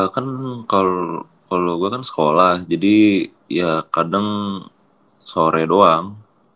kan kalau logo kan sekolah jadi ya kadang sore doang